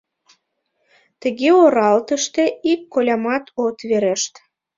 Тыге оралтыште ик колямат от верешт.